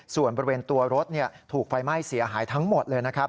ส่วนบริเวณตัวรถถูกไฟไหม้เสียหายทั้งหมดเลยนะครับ